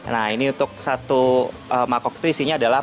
nah ini untuk satu mangkok itu isinya adalah